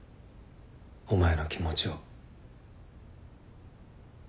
お前の気持ちを。